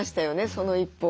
その一歩を。